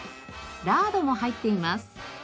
ラードも入っています。